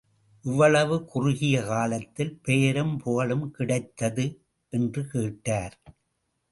இவ்வளவு குறுகிய காலத்தில் பெயரும் புகழும் கிடைத்தது? என்று கேட்டார்.